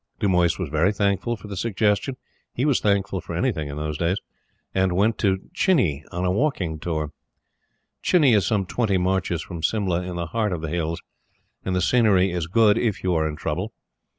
Dumoise was very thankful for the suggestion he was thankful for anything in those days and went to Chini on a walking tour. Chini is some twenty marches from Simla, in the heart of the Hills, and the scenery is good if you are in trouble.